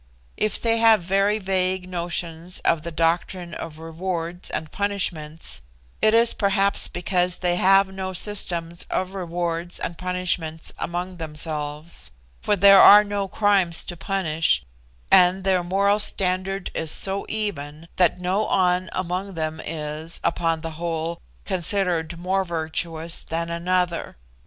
If they have very vague notions of the doctrine of rewards and punishments, it is perhaps because they have no systems of rewards and punishments among themselves, for there are no crimes to punish, and their moral standard is so even that no An among them is, upon the whole, considered more virtuous than another.